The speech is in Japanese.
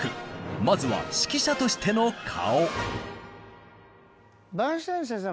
まずは指揮者としての顔。